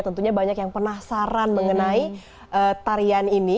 tentunya banyak yang penasaran mengenai tarian ini